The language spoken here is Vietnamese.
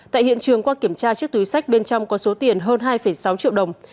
tại hiện trường qua kiểm tra chiếc túi sách bên trong có số tiền hơn hai sáu triệu đồng